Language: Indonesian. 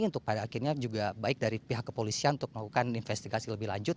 untuk pada akhirnya juga baik dari pihak kepolisian untuk melakukan investigasi lebih lanjut